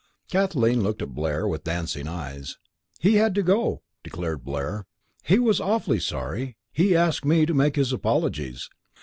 Kathleen looked at Blair with dancing eyes. "He had to go," declared Blair. "He was awfully sorry. He asked me to make his apologies."